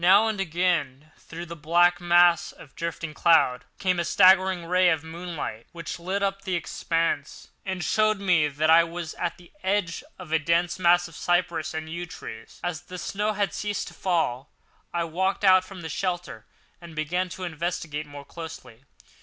Now and again, through the black mass of drifting cloud, came a straggling ray of moonlight, which lit up the expanse, and showed me that I was at the edge of a dense mass of cypress and yew trees. As the snow had ceased to fall, I walked out from the shelter and began to investigate more closely.